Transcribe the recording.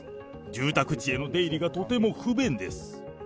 住宅地への出入りがとても不便です。